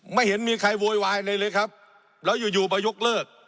ไม่เห็นมีใครโวยวายอะไรเลยครับแล้วอยู่อยู่มายกเลิก